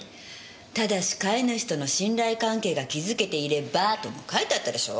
「ただし飼い主との信頼関係が築けていれば」とも書いてあったでしょ。